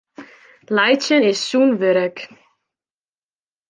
Laitsjen is sûn wurk.